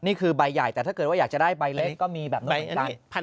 นี่คือใบใหญ่แต่ถ้าเกิดว่าอยากจะได้ใบเล็กก็มีแบบนี้เหมือนกัน